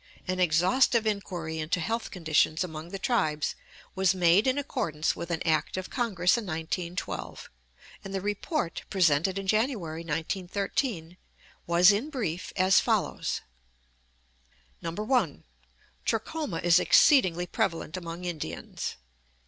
An exhaustive inquiry into health conditions among the tribes was made in accordance with an act of Congress in 1912, and the report presented in January, 1913, was in brief as follows: 1. Trachoma is exceedingly prevalent among Indians.